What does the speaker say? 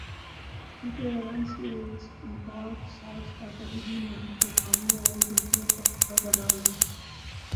کیونکہ رنز کی ریکارڈ ساز کارکردگی نے حقیقتا خامیوں اور غلطیوں پر پردہ ڈال دیا